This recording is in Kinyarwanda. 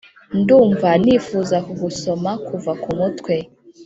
ndumva nifuza kugusoma kuva ku mutwe